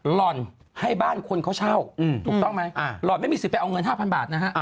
หล่อนให้บ้านคนเขาเช่าถูกต้องไหมหล่อนไม่มีสิทธิ์ไปเอาเงิน๕๐๐บาทนะฮะ